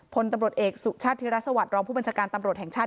พลตำรวจเอกสุชาติธิรสวัสดิรองผู้บัญชาการตำรวจแห่งชาติ